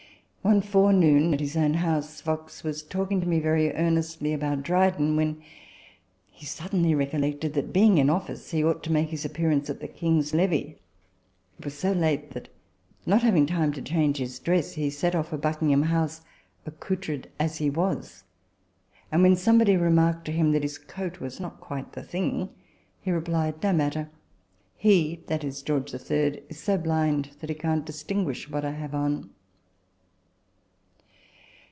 One forenoon, at his own house, Fox was talking to me very earnestly about Dryden, when he suddenly recollected that (being in office) he ought to make his appearance at the King's levee. It was so late that, not having time to change his dress, he set off for Buckingham House " ac coutred as he was "; and when somebody remarked to him that his coat was not quite the thing, he replied, " No matter ; he (i.e., George III.) is so blind that he can't distinguish what I have on."